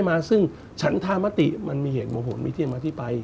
ได้มาซึ่งฉันธามติมันมีเหตุผลมีที่มันมาที่ไป